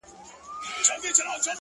چي بيا ترې ځان را خلاصولای نسم؛